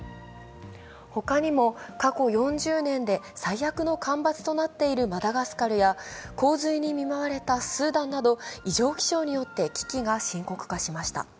ほかにも過去４０年で最悪の干ばつとなっているマダガスカルや洪水に見舞われたスーダンなど異常気象によって危機が深刻化しました。